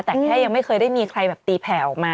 แต่แค่ยังไม่เคยได้มีใครแบบตีแผ่ออกมา